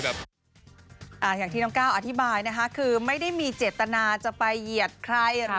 อย่างที่น้องก้าวอธิบายนะคะคือไม่ได้มีเจตนาจะไปเหยียดใคร